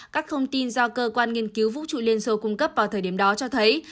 các thông tin do cơ quan nghiên cứu vũ trụ liên xô cung cấp vào thời điểm đó cho thấy